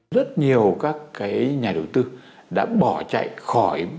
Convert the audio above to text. rất nhiều các cái nhà đầu tư đã bỏ chạy khỏi